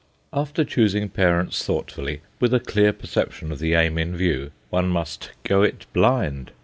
After choosing parents thoughtfully, with a clear perception of the aim in view, one must "go it blind."